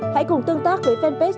hãy cùng tương tác với fanpage